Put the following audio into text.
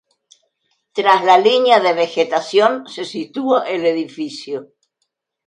Tras la línea de vegetación se sitúa el edificio.